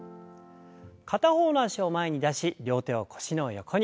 片方の脚を前に出し両手を腰の横に。